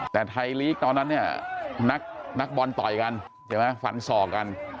แต่ไทยลีกตอนนั้นเนี่ยนักบอลต่อยกันใช่ไหมฝันศอกกัน